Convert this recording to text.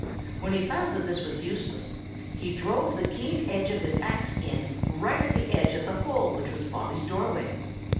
When he found that this was useless, he drove the keen edge of his axe in right at the edge of the hole which was Bobby's doorway.